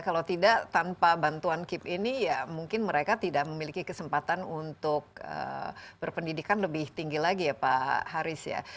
kalau tidak tanpa bantuan kip ini ya mungkin mereka tidak memiliki kesempatan untuk berpendidikan lebih tinggi lagi ya pak haris ya